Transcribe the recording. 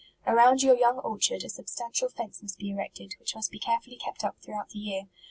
Around your young orchard, a substantial fence must be erected, which must be care fully kept up throughout the year.